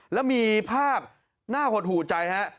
แล้วมีภาพหน้าหดหูใจนะครับ